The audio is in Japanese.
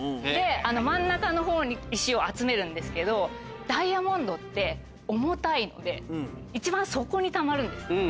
真ん中のほうに石を集めるんですけどダイヤモンドって重たいので一番底にたまるんです。